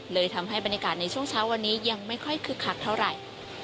เลยทำให้บรรยากาศในช่วงเช้าวันนี้ยังไม่ค่อยคึกคักเท่าไหร่